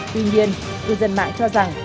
tuy nhiên cư dân mạng cho rằng